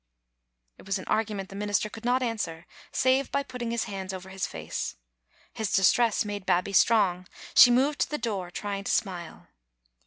It was an argument the minister could not answer save by putting his hands over his face ; his distress made Babbie strong ; she moved to the door, trying to smile.